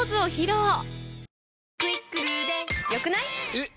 えっ！